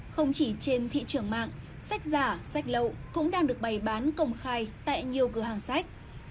không chỉ trên thị trường mạng sách giả sách lậu cũng đang được bày bán công khai tại nhiều cửa hàng sách